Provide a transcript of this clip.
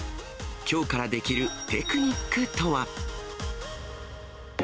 きょうからできるテクニックとは。